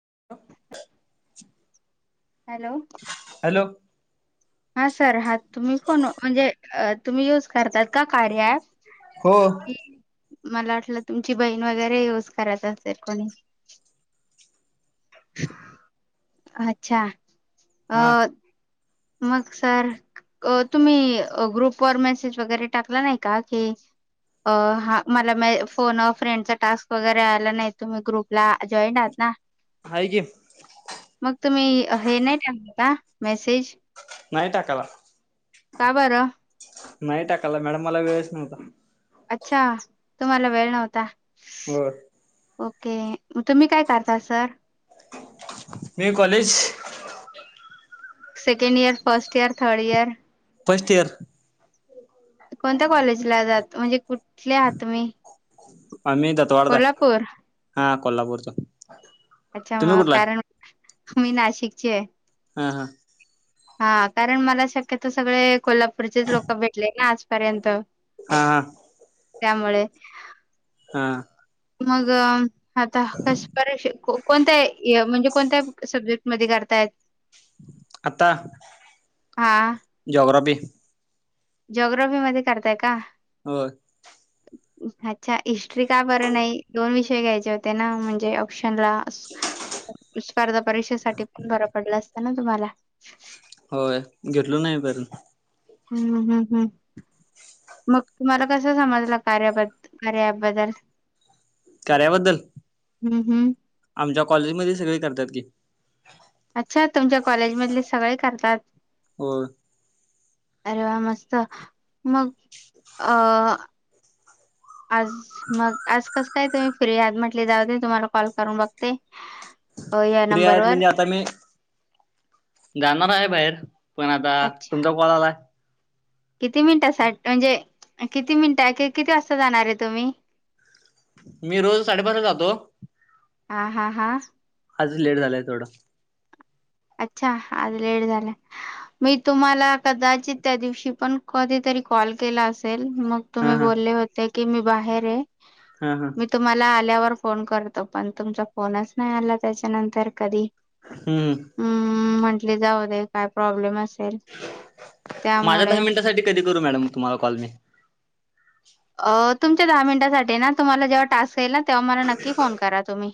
[inaudible] Hello. Hello. हा sir, हा तुम्ही फोन म्हणजे तुम्ही युज करतात का कार्या ॲप. हो. की मला वाटलं तुमची बहीण वगैरे यूज करात असलं. कोणी अच्छा. हा अह मगं सर अ तुम्ही ग्रुप व मेसेज वगैरे टाकला नाही का की अ हा मला म फोन फ्रेंडचा टास्क वगैरे आला नाही तुम्ही ग्रुपला जॉईन आहात ना. आहे की मगं तुम्ही हे नाही टाकला का मेसेज? नाही टाकाला. का बर? नाही टाकायला मॅडम मला वेळच नव्हता. अच्छा तुम्हाला वेळ नव्हता. हो. ओके तुम्ही कायं करता सर? मी college. Second year, first year, third year. First year. कोणत्या कॉलेजला जात, म्हणजे कुठले आहात तुम्ही? आम्ही दतवाढयात कोल्हापूर हाय हा कोल्हापूरचा. अच्छा तुम्ही म कुठला कारण आहे मी नाशिकची ये. हा हा हा कारण मला शक्यतो सगळे कोल्हापूरचेच लोक भेटले ना आजपर्यंत हा हा त्यामुळे हा मगं आता कश [unintelligible] कोणत्या ए म्हणजे कोणत्या सब्जेक्ट मध्ये करतायत? आता जोग्राफी ज्योग्राफी मध्ये करताय का? होय. अच्छा हिस्ट्री का बरं नाही दोन विषय घ्यायचे होते ना म्हणजे ऑप्शन ला स्पर्धा परीक्षेसाठी पण बरं पडला असत ना तुम्हाला. होय घेतलो नाहय परण हूं हूं हूं हूं मगं तुम्हाला कसं समजलं कार्याब कार्याबद्दल. कार्या बद्दल, हम्म हम्म. आमच्या कॉलेजमध्ये सगळे करत्यात की. अच्छा तुमच्या कॉलेजमधले सगळे करतात. होय. अरे वा! मस्त मगं अ आज मगं आज कसं काय तुम्ही फ्री आहात म्हटले जाऊ दे तुम्हाला कॉल करून बघते. अ या फ्री आहेत नंबरवर म्हणजे, आता मी जाणार आहे बाहेर. पण आता अच्छा तुमचा कॉल आलाय किती मिनिटा साठ म्हणजे किती मिनिट कि किती वाजता जाणार ये तुम्ही? मी रोज साडेपाचला जातो. हा हा हा आजच लेट झालाय थोडा अच्छा आज लेट झालाय मी तुम्हाला कदाचित त्या दिवशी पण कधीतर री कॉल केला असेल. मग हा तुम्ही हा बोलले होते की मी बाहेर आहे हा हा मी तुम्हाला आल्यावर फोन करतो पण तुमचा फोनच नाय आला त्याच्यानंतर कधी हम्म हम्म म्हंटले जाऊ दे काय प्रॉब्लेम अस माझ्या दहा मिनिटासाठी कधी करू मॅडम तुम्हाला कॉल मी अ तुमच्या दहा मिनिटासाठी ना तुम्हाला जेव्हा टास्क येईल ना तेव्हा मला नक्की फोन करा तुम्ही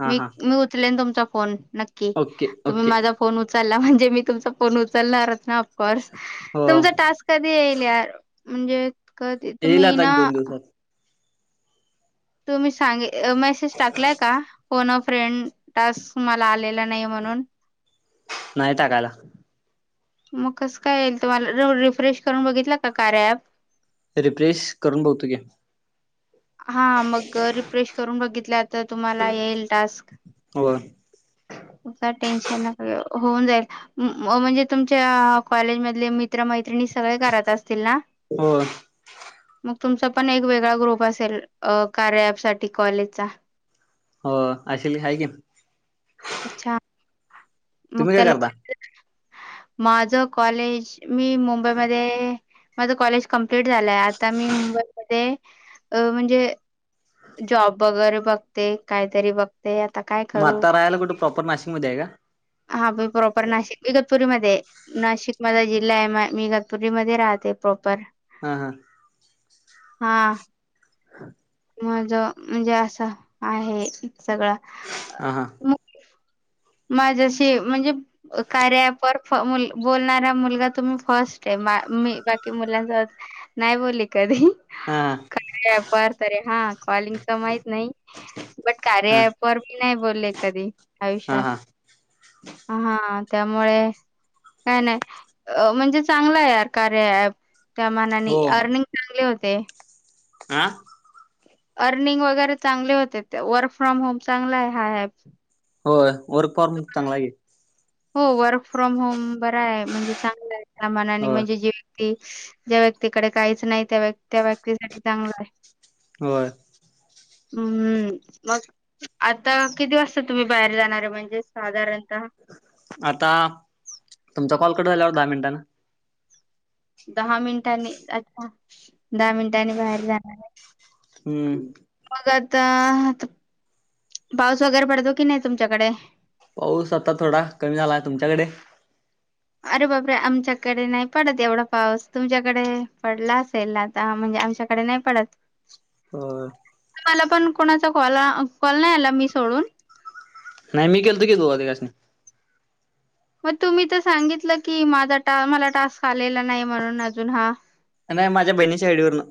हा मी हा मी उचलेन तुमचा फोन नक्की ओके तुम्ही ओके माझा फोन उच चलला म्हणजे मी तुमचा फोन उचलणारच ना ऑफकोर्स हो तुमचा टास्क कधी येईल यार म्हणजे कधी येईल तुम्ही आता ना एक दोन दिवसात तुम्ही सांगे मेसेज टाकलाय का फोन अ फ्रेंड टास्क मला आले ला नाही म्हणून नाही टाकायला. मग कसं काय येईल तुम्हाला र रिफ्रेश करून बघितला का कार्या ॲप. रिफ्रेशकरून बघतो की, हा मग रिफ्रेश करून बघितले आता तुम्हाला येईल टास्क [inaudible] नका टेन्शन नका घेऊ होऊन जाईल म्हणजे तुमच्या कॉलेज मधले मित्र मैत्री णी सगळे करत असतील ना हो मग तुमचा पण एक वेगळा ग्रुप अस तर कार्या ॲप साठी कॉलेजचा हो असेल हाय की अच्छा तुम्ही काय करता माझ कॉलेज मी मुंबई मध्ये माझं कॉलेज कमप्लीट झालंय आता मी मुंबईमध्ये म्हणजे जॉब वगैरे बघते काहीतरी बघते आता काय मग करू आत्ता राहायला कुठे प्रॉपर नाशिकमध्ये आहे का हा मी प्रॉपर नाशिक बगतपुरीमध्येध नाशिक नाय माय बगतपुरीमध्ये राहते प्रॉपर ह हा हा हा [inaudible] माझ म्हणजे असं आहे सगळं हा माझ्याशी म्हणजे कार्या ॲपवर बोलणारा मुलगा तुम्ही फर्स्ट आहे मी बाकी मुलांसोत नाही बोलली कधी हम पवर त हा कॉलिंगच माहित नाही बण हा कार्य पवर [unintelligible] नाही बोलले कधी हा आयुष्यात हा हा हा हा त्यामुळे काय नाही म्हणजे चांगलं आहे कार्या ॲप त्या मानाने अर्निंग चांगले होते आ अर्निंग वगैरे चांगले होते ते वर्क फ्रॉम होम चांगला आहे हा ॲप होय वर्क फॉर्म चांगला आहे हो वर्क फ्रॉम होम बरा आहे म्हणजे चांगला आहे त्या मानाने होय म्हणजे जेके ज्या व्यक्तीकडे काहीच नाही त्या व्यक्तीसाठी चांगलं आहे होय हम्म मग आता किती वाजता तुम्ही बाहेर जाणार आहे म्हणजे साधारण आता तुमचा कॉल कट झाल्यावर दहा मिनिटांनी. दहा मिनिटांनी? अच्छा, दहा मिनिटांनी बाहेर जाणार आहे. हम्म. मग पाऊस वगैरे पडतो की नाही तुमच्याकडे? पाऊस आता तुमच्याकडे थोडा कमी झाला आहे का? अरे बापरे, आमच्याकडे एवढा पाऊस नाही पडत. तुमच्याकडे पडला असेल आता, म्हणजे... आमच्याकडे नाही पडत. हो. मला पण मी सोडून कोणाचाही कॉल आला नाही. नाही, मी केलं तर घेतो ते कशाने? मग तुम्ही तर सांगितलं की मला टास्क आलेला नाही, म्हणून अजून हा... नाही, माझ्या बहिणीच्या आडून.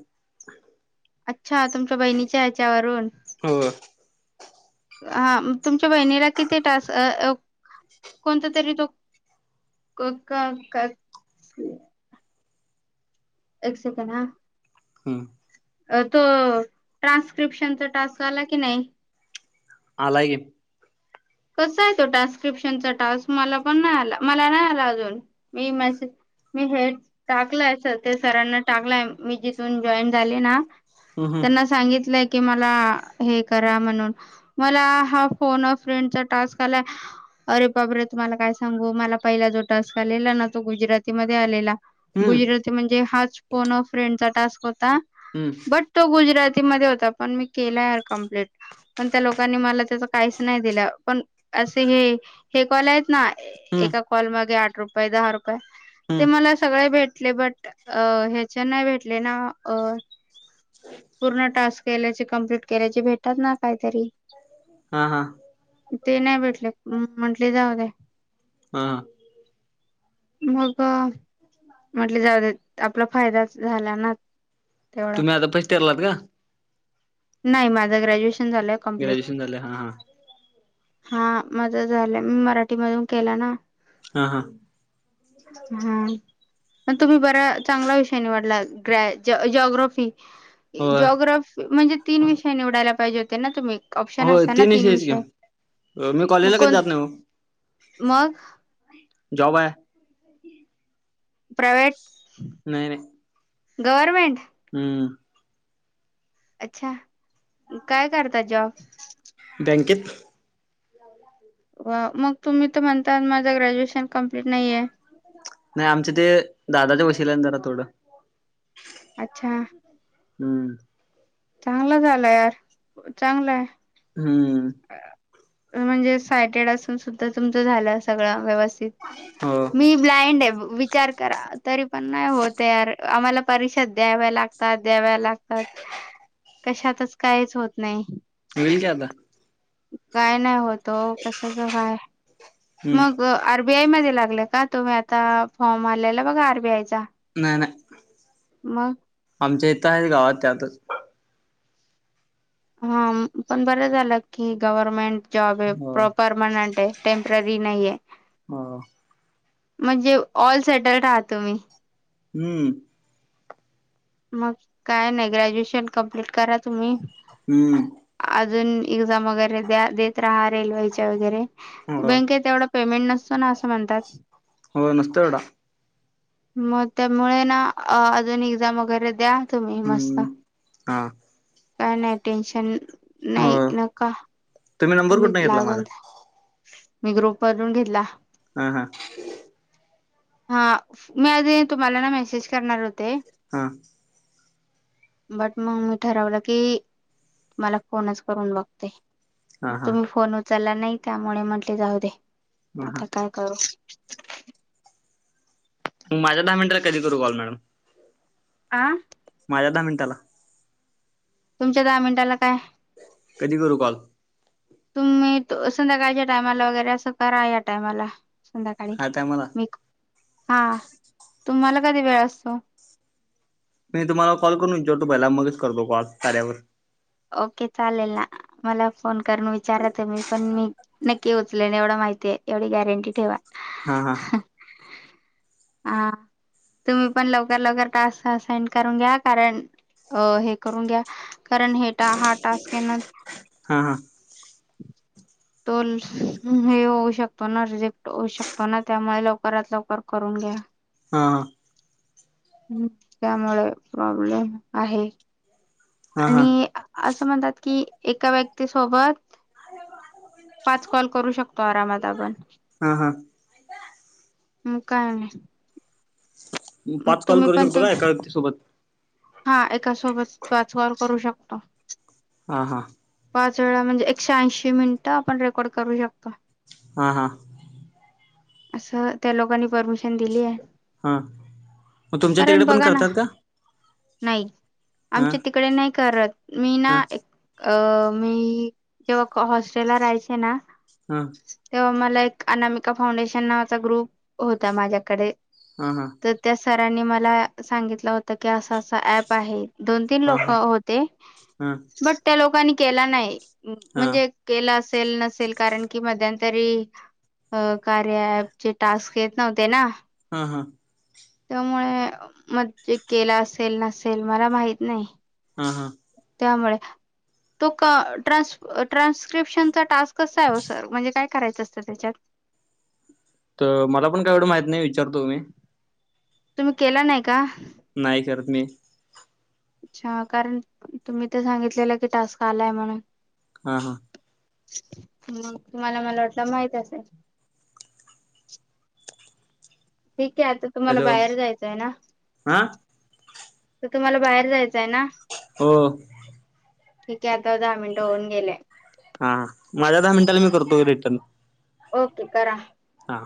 तुमच्या बहिणीच्या ह्याच्यावरून. हो हा, तुमच्या बहिणीला किती त्रास कोणता तरी होतो? कोका का? एक सेकंद, हं. हम्म. तो ट्रान्स्क्रिप्शनचा टास्क आला की नाही? हॅलो. कसं आहे, तो ट्रान्स्क्रिप्शनचा टास्क मला पण नाही आला. मला नाही आला अजून. मी हे टाकलंय सर, सरांना टाकलंय. मी जिथून जॉईन झाले ना. हम्म त्यांना सांगितलंय की मला हे करा म्हणून मग हा फोन. अरे, तुला का? समजलं. गुजराती मध्ये आलेला. हम्म हम्म गुजराती म्हणजे हाच कोण फ्रेंडचा टास्क होता, हम्म बट तो गुजराती. पण मी केक, त्या लोकांनी म्हटलं काही. पण असे कॉल आहेत ना. ए हम्म कॉल आठ रुपये, दहा रुपये. ते हम्म मला सगळे भेटले, बट ह्याचे नाही भेटले ना. पूर्ण टास्क कम्प्लीट केल्याचे भेटतात ना काहीतरी. हा हा. ते नाही भेटले म्हटलं, जाऊ दे. हा. मग म्हटलं, जाऊ दे, आपला फायदा झाला ना. तेवढा तुम्ही आता फास्ट ठरलात का? माझ ग्र्यु. ग्रॅज्युएशन झालं. हा हा. हा, माझा झाला. मी मराठीतून केला ना. हा हा. हम्म, म् तुम्ही बराच चांगला विषय निवडला, ग्रॅज्युअली. होय जिओग्राफी म्हणजे तीन विषय निवडायला पाहिजे होते ना, तुम्ही? ऑप्शन होय असतात ना, ते तीन विषयच की विषय. मी मग कॉलेजला कधी जात कोणता? नाही ओ मग? जाऊ आहे. प्रायवेट. नाही रे. गवर्नमेंट. हम्म. अच्छा, काय करतात जॉब? टंकित. वा, मग तुम्ही तर म्हणता, माझ्या ग्रॅज्युएशनचं नाही आमचे ते दादाच्या वशील्यान जरा थोड अच्छां. हुं. चांगल झालं यार चांगलाय. हुं. म्हणंजे सायटेड असून सुद्धा तुमचं झालं सगळ व्यवस्थ तीत हो मी ब्लाइंड आहे वि विचार करा, तरी पण नाय होत यार आम्हाला परीक्षा द्याव्या लागतात द्याव लागतात. कशातच काईच होत नाही. हुयील की आता. काय नाही होत ओ कशाच काय हम्म मग आर् बी आय मध्ये लागलाय का तुम्ही आता फॉर्म आलेला बघा आर बी आय चा. नाही नाही मग आमच्या इथं हायत गावात त्यातच हां म पण बरं झालं की गव्हर्मेंट जॉब आहे हो प्रॉ -परमनंट आहे. टेम्पररी नाहीये. हां. म्हणजे ऑल सेटल्ड आहात तुम्ही. हुं. मग काय नाही ग्रॅज्युएशन कम्प्लीट करा तुम्ही. हुं. अजून एक्झाम वगैरेे द्या देतरहा रेल्वेच्या वगैरे, हो बॅकेत एवढा पेमेंट नसतो नां असं म्हणतात. हो नसतोय एवढा. मग त्यामुळे ना आ-अजून एक्झाम वगैरे द्या. तुम्ही हुं मस्त हां काय नाही टेन्शन नायी नका- नंबर तुम्ही कुठनं घेतला माझा लागून, मी ग्रुपवरून घेतला- हां हां हां मला ते तुम्हालानां मेसेज करणार होते. हां बट मग मी ठरवलं की- तुम्हाला फोनच करून बघते. हा मग हा तुम्ही फोन उचलला नाही त्यामुळे म्हंटले जाऊ दे ह हा आता काय करू. मग माझ्या दहा मिनिटंला कधी करू कॉल मॅडम. आं- माझ्या दहा मिनिटांला- तुमच्या दहा मिनटांला काय? कधी करू काॅल. तुम्ही त- संध्याकाळच्या टायमांला वगैरे असं करा या टायमांला. संध्याकाळी हा टायमाला मी आं. तुम्हाला कधी वेळ असतो. मी तुम्हाला कॉल करून इचारतो पहिला मगच करतो कॉल झाल्यावर. ओके चालेल नां मला फोन करून विचारत तुम्ही पण मी- नक्की उचलेन एवढं माहितीये एवढी गॅरंटी ठेवा. हां हां हां तुम्ही पण लवकर लवकर टास्क असाइन करून घ्या कारण- अं हे करून घ्या कारण हे ट हा टास्क आहे ना- हा हा तो ल हे होऊ शकतो नां, रिजेक्ट होऊ शकतो नां त्यामुळे लवकरात लवकर करून घ्या. हां [inaudible] [inaudible] ह् त्यामुळे प्रॉब्लेम आहे हा हा आणि अस अस म्हणतात की एका व्यक्तीसोबत [inaudible] [inaudible] पाच कॉल करू शकतो आरामात आपण हा हा मु कायणे [inaudible] मग पाच कॉल तुम्ही करू पण शकतो त का एका व्यक्ती सोबत [inaudible] हा एका सोबत वाचगॉ करू शकता ह [inaudible] हा हा पाच वेळा म्हणजे एकशे ऐंशी मिनिटं आपण रेकॉर्ड करू शकतो [inaudible] हा हा [inaudible] [inaudible] असं त्या लोकांनी परमिशन दिली आहे [inaudible] हा मग तुमच्या कारण तिकडे पण बघा ना करतात का नाही हा आमच्या तिकडे नाही करत मी ना हा [inaudible] अ मी जेव्हा हॉस्टेलला राहायचे ना हा [inaudible] तेव्हा मला एक अनामिका फाउंडेशन नावाचा ग्रुप होता माझ्याकडे हा हा [inaudible] तर त्या सरांनी मला सांगितलं होतं अस अस प आहे दोन तीन हा लोक हा होते हा [inaudible] ब त्या लोक नी केला [inaudible] नाही हा म्हणजे के कारण क मरी [inaudible] चे टास्क येत नव्हते ना [inaudible] हहाा [inaudible] [inaudible] त्यामुळे मजे केला असेल नसेल मला माहित नाही हा हा [inaudible] त्यामुळे तो ट्रान्रप्शन टास्क कस आहे सर म्हणजे का--? करायचं असतं त्याच्यात? तर मला पण काय एवढं माहित नाही विचारतो मी तुम्ही केला नाही का? नाही करत मी अच्छा कारण तुम्ही तर सांगितलेलं कि टास्क आलाय म्हणून? हा हा मग तुम्हाला मला वाटलं माहित असेल ठीक आहे आता तुम्हाला हॅलो बाहेर जायचं आहे ना? हा तर तुम्हाला बाहेर जायचं आहे ना? हो ठीक आहे आता दहा मिनिटं होऊन गेले हा माझ्या दहा मिनटाला मी करतो रिटर्न ओके करा हा